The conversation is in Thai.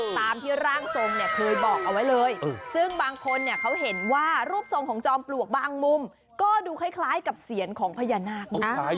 ตามที่ร่างทรงเนี่ยเคยบอกเอาไว้เลยซึ่งบางคนเนี่ยเขาเห็นว่ารูปทรงของจอมปลวกบางมุมก็ดูคล้ายกับเสียงของพญานาคด้วย